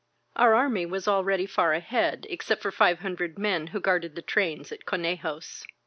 Our army was already far ahead, except for five hundred men who guarded the trains at Conejos.